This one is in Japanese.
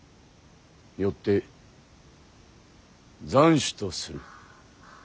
よって斬首とする。